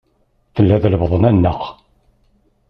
Tella d lbaḍna-nneɣ.